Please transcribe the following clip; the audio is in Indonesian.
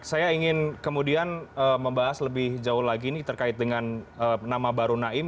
saya ingin kemudian membahas lebih jauh lagi ini terkait dengan nama baru naim